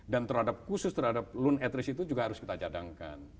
dan terhadap khusus terhadap loan interest itu juga harus kita cadangkan